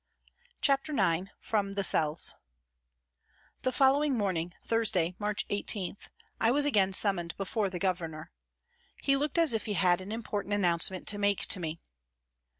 CHAPTER IX FROM THE CELLS THE following morning, Thursday, March 18, I was again summoned before the Governor. He looked as if he had an important announcement to make to me.